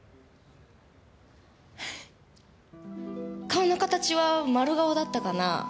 顔の形は丸顔だったかな？